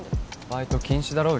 バイト禁止だろ？